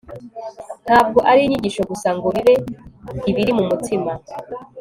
ntabwo ari inyigisho gusa, ngo bibe ibiri mu mutima